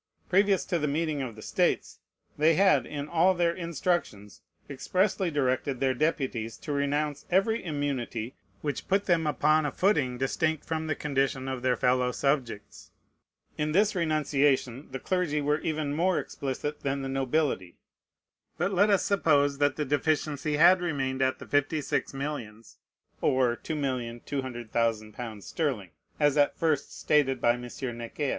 Previous to the meeting of the States, they had in all their instructions expressly directed their deputies to renounce every immunity which put them upon a footing distinct from the condition of their fellow subjects. In this renunciation the clergy were even more explicit than the nobility. But let us suppose that the deficiency had remained at the fifty six millions, (or 2,200,000 l. sterling,) as at first stated by M. Necker.